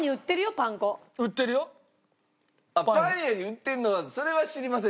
パン屋に売ってるのはそれは知りません。